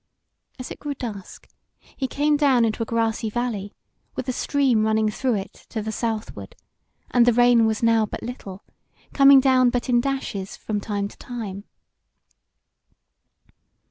As it grew dusk, he came down into a grassy valley with a stream running through it to the southward, and the rain was now but little, coming down but in dashes from time to time.